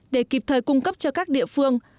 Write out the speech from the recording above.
để kịp thời cung cấp cho các địa phương